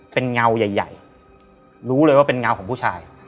เป็นเงาใหญ่รู้เลยว่าเป็นเงาของผู้ชาย